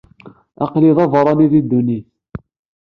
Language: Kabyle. Aql-i d aberrani di ddunit.